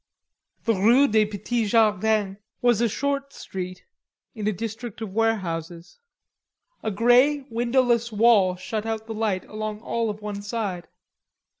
The rue des Petits Jardins was a short street in a district of warehouses. A grey, windowless wall shut out the light along all of one side.